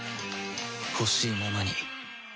ほしいままに